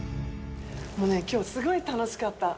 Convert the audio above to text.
もうね今日すごい楽しかった。